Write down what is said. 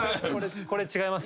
これ違います？